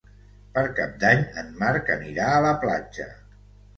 Per Cap d'Any en Marc anirà a la platja.